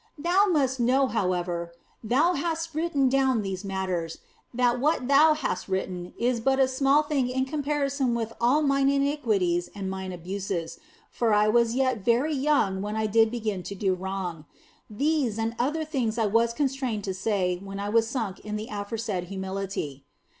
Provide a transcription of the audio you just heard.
Thou must know, however, thou who hast written down these matters, that what thou hast written is but a small thing in comparison with all mine iniquities and mine abuses, for I was yet very young when I did begin to do wrong. These and other like things was I constrained to say when I was sunk in the aforesaid humility.